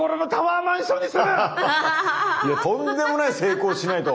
いやとんでもない成功しないと！